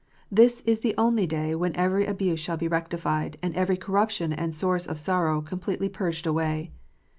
That is the only day when every abuse shall be rectified, and every corruption and source of sorrow com pletely purged away.